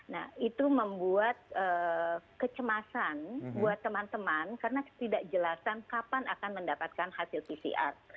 nah itu membuat kecemasan buat teman teman karena ketidakjelasan kapan akan mendapatkan hasil pcr